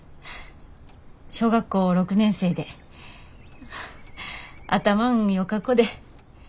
小学校６年生で頭んよか子で。